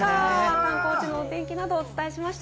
観光地のお天気などをお伝えしました。